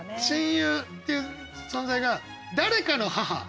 「親友」っていう存在が「誰かの母」。